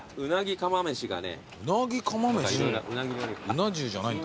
うな重じゃないんだ。